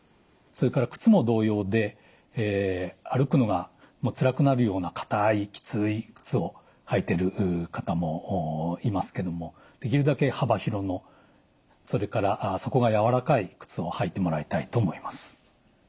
それから靴も同様で歩くのがつらくなるような硬いきつい靴を履いてる方もいますけどもできるだけ幅広のそれから底が軟らかい靴を履いてもらいたいと思います。